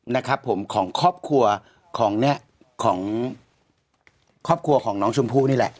นะครับผมของครอบครัวของเนี่ยของครอบครัวของน้องชมพู่นี่แหละ